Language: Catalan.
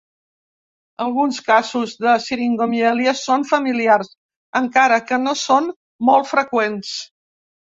Alguns casos de siringomièlia són familiars, encara que no són molt freqüents.